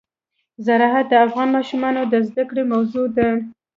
زراعت د افغان ماشومانو د زده کړې موضوع ده.